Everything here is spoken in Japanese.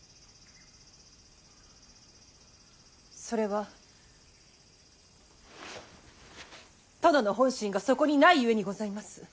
それは殿の本心がそこにないゆえにございます。